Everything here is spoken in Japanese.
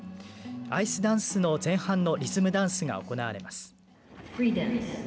アイスダンスの前半のリズムダンスが行われます。